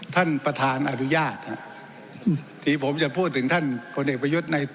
ท่านประธานอนุญาตที่ผมจะพูดถึงท่านพลเอกประยุทธ์ใน